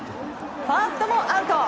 ファーストもアウト。